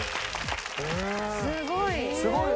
すごいな！